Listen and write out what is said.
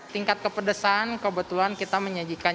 tingkat kepedesan kebetulan kita menyajikan